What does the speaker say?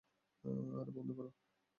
আরে বন্ধ করো।